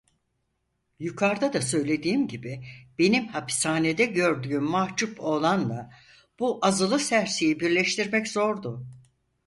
Yukarda da söylediğim gibi, benim hapishanede gördüğüm mahçup oğlanla bu azılı serseriyi birleştirmek zordu.